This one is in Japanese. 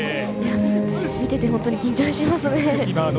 見てて本当に緊張しますね。